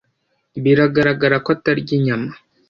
Biragaragara ko atarya inyama.